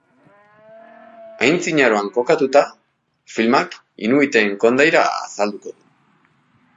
Antzinaroan kokatuta, filmak inuiten kondaira azalduko du.